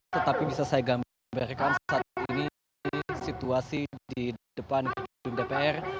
tetapi bisa saya gambarkan saat ini situasi di depan gedung dpr